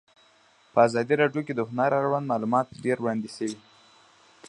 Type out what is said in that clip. په ازادي راډیو کې د هنر اړوند معلومات ډېر وړاندې شوي.